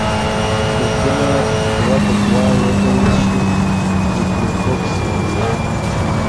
کوکونه دوه په دوه یوځای شي ډیپلو کوکس یادیږي.